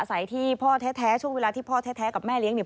ใส่ช่วงเวลาที่พ่อแท้กับแม่เลี้ยงเนี่ย